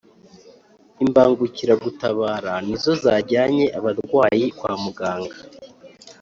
Imbagukira gutabara nizo zajyanye abarwayi kwamuganga